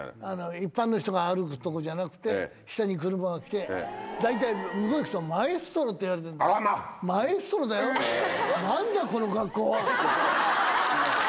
一般の人が歩くとこじゃなくて、下に車が来て、大体、向こうに行くとマエストロと呼ばれてるの、マエストロだよ、なんだこの格好は。